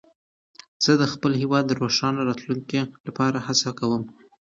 زه د خپل هېواد د روښانه راتلونکي لپاره هڅه کوم.